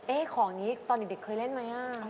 เอ๊ะของนี้ตอนเด็กเคยเล่นไหมฮะ